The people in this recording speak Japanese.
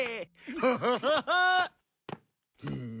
ハハハハッ！